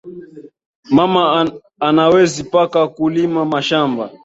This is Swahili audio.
Mama anawezi paka ku lima mashamba